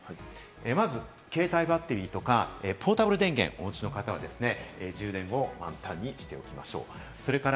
まず携帯バッテリーとか、ポータブル電源をお持ちの方は充電を満タンにしておきましょう。